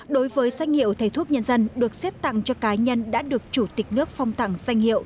đối với danh hiệu thầy thuốc nhân dân được xếp tặng cho cá nhân đã được chủ tịch nước phong tặng danh hiệu